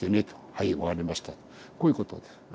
こういうことです。